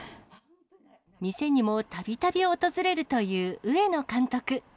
店にもたびたび訪れるという上野監督。